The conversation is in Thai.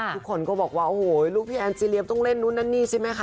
ทุกคนก็บอกว่าโอ้โหลูกพี่แอนจีเรียมต้องเล่นนู้นนั่นนี่ใช่ไหมคะ